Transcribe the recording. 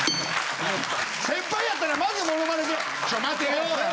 先輩やったらまずモノマネで「ちょ待てよ」やろ？